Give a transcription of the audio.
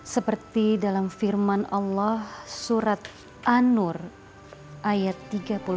seperti dalam firman allah surat anur ayat tiga puluh satu